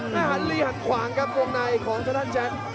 และหันลีหันขวางครับวงในของเจ้าท่านแจ๊ค